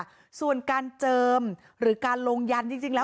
ก็เป็นเรื่องของความศรัทธาเป็นการสร้างขวัญและกำลังใจ